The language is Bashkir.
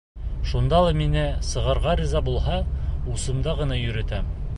Шунда ла миңә сығырға риза булһа... усымда ғына йөрөтәм.